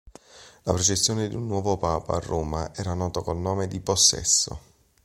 La processione di un nuovo papa a Roma era nota col nome di "possesso".